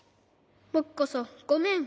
ぼくこそごめん。